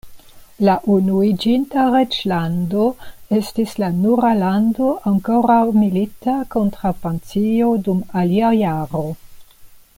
La Unuiĝinta Reĝlando estis la nura lando ankoraŭ milita kontraŭ Francio dum alia jaro.